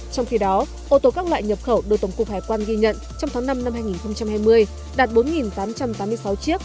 trong khi đó ô tô các loại nhập khẩu đối tổng cục hải quan ghi nhận trong tháng năm năm hai nghìn hai mươi đạt bốn tám trăm tám mươi sáu chiếc